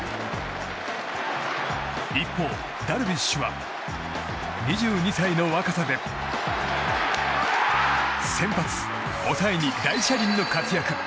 一方、ダルビッシュは２２歳の若さで先発、抑えに大車輪の活躍。